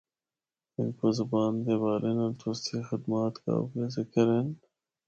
ہندکو زبان دے حوالے نال تُسدی خدمات قابل ذکر ہن۔